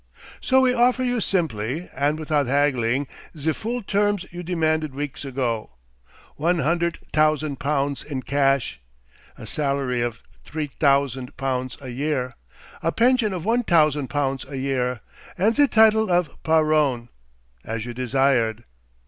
So we offer you simply, and without haggling, ze full terms you demanded weeks ago one hundert tousand poundts in cash, a salary of three tousand poundts a year, a pension of one tousand poundts a year, and ze title of Paron as you desired.